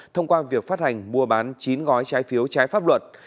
thông qua việc phát hành mua bán chín gói trái phiếu trái pháp luật